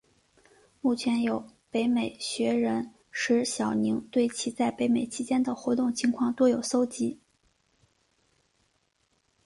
目前有北美学人石晓宁对其在北美期间的活动情况多有搜辑。